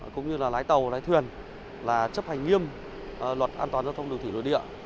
cũng như lái tàu lái thuyền chấp hành nghiêm luật an toàn giao thông đường thủy nội địa